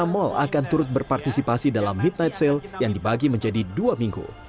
tiga mall akan turut berpartisipasi dalam midnight sale yang dibagi menjadi dua minggu